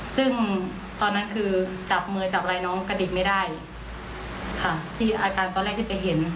ซึ่งตอนนั้นคือจับมือจับอะไรน้องกระดิกไม่ได้ค่ะที่อาการตอนแรกที่ไปเห็น